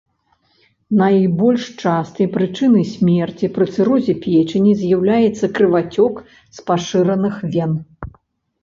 Найбольш частай прычынай смерці пры цырозе печані з'яўляецца крывацёк з пашыраных вен.